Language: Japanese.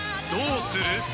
どうする？］